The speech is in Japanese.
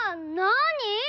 なに？